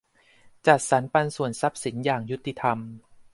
จัดสรรปันส่วนทรัพย์สินอย่างยุติธรรม